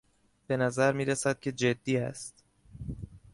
به نظر میرسد که جدی است.